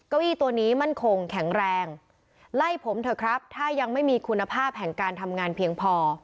เก้าอี้ตัวนี้มั่นคงแข็งแรงไล่ผมเถอะครับถ้ายังไม่มีคุณภาพแห่งการทำงานเพียงพอ